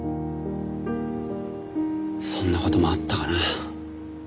そんな事もあったかな。